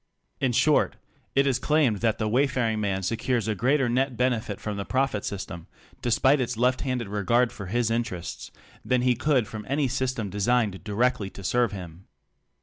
In short, it is claimed that the wayfaring man secures a greater net bene fit from the profit system — despite its left handed regard for his interests — than he could from any system designed di rectly to serve him.